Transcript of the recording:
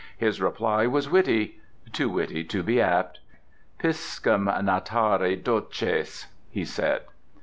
His reply was witty—too witty to be apt, "Piscem natare doces," he said.